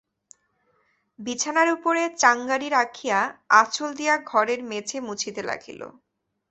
বিছানার উপরে চাঙারি রাখিয়া আঁচল দিয়া ঘরের মেঝে মুছিতে লাগিল।